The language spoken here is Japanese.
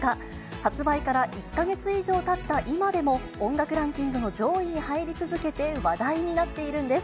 発売から１か月以上たった今でも、音楽ランキングの上位に入り続けて、話題になっているんです。